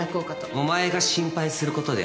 お前が心配することではない。